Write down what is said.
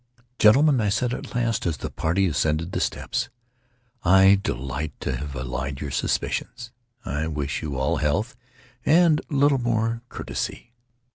"Gentlemen," I said at last, as the party ascended the steps, "I delight to have allayed your suspicions. I wish you all health, and a little more courtesy.